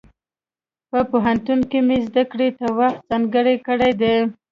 په پوهنتون کې مې زده کړې ته وخت ځانګړی کړی دی.